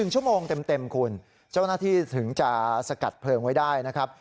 ๑ชั่วโมงเต็มคุณเจ้าหน้าที่ถึงจะสกัดเพลิงไว้ได้นะครับ